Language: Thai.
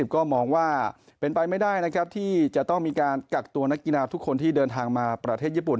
ก็มองว่าเป็นไปไม่ได้นะครับที่จะต้องมีการกักตัวนักกีฬาทุกคนที่เดินทางมาประเทศญี่ปุ่น